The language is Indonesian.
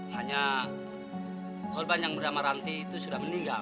hanya korban yang bernama ranti itu auch sana meninggal